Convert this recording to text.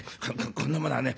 ここんなものはね